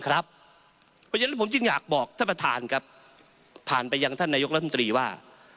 เพราะฉะนั้นผมจึงอยากบอกท่านประธานครับผ่านไปยังท่านนายกรัฐมนตรีว่า